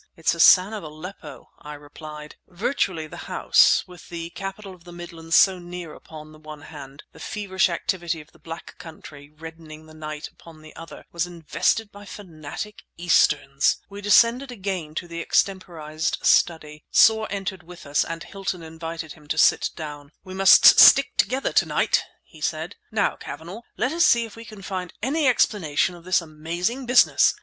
"It's Hassan of Aleppo!" I replied. Virtually, the house, with the capital of the Midlands so near upon the one hand, the feverish activity of the Black Country reddening the night upon the other, was invested by fanatic Easterns! We descended again to the extemporized study. Soar entered with us and Hilton invited him to sit down. "We must stick together to night!" he said. "Now, Cavanagh, let us see if we can find any explanation of this amazing business.